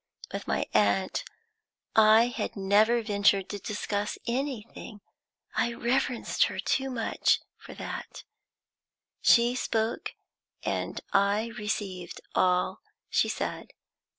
With my aunt I had never ventured to discuss anything; I reverenced her too much for that; she spoke, and I received all she said.